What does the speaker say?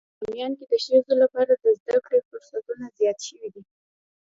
په باميان کې د ښځو لپاره د زده کړې فرصتونه زيات شوي دي.